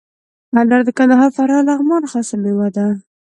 انار د کندهار، فراه، لغمان خاص میوه ده.